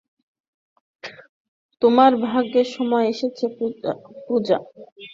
তোমার ত্যাগের সময় এসেছে, পূজা।